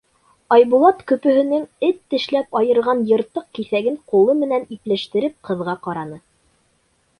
Айбулат көпөһөнөң эт тешләп айырған йыртыҡ киҫәген ҡулы менән ипләштереп ҡыҙға ҡараны.